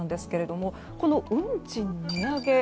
この運賃値上げ。